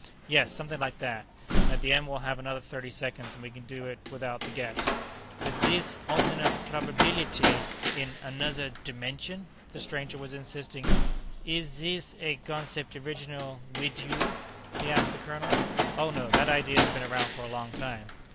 Yes, something like that, and at the end we'll have another thirty seconds, and we can do without the guest." "But zees alternate probibeelitay, in anozzer dimension," the stranger was insisting. "Ees zees a concept original weet you?" he asked the colonel. "Oh, no; that idea's been around for a long time."